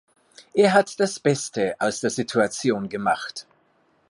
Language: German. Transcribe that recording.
Er hat das Beste aus der Situation gemacht.